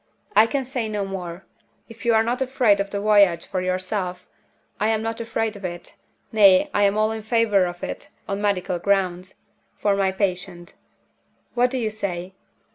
I can say no more. If you are not afraid of the voyage for yourself, I am not afraid of it (nay, I am all in favor of it on medical grounds) for my patient. What do you say?